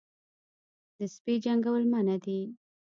د سپي جنګول منع دي